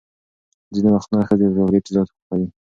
ځینې وختونه ښځې چاکلیټ زیات خوښوي.